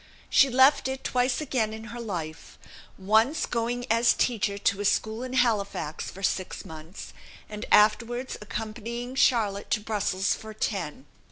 She left it twice again in her life; once going as teacher to a school in Halifax for six months, and afterwards accompanying Charlotte to Brussels for ten.